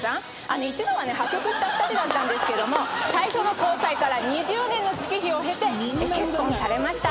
一度は破局した２人だったんですけども最初の交際から２０年の月日を経て結婚されました。